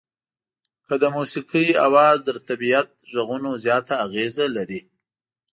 که د موسيقۍ اواز تر طبيعت غږونو زیاته اغېزه لري.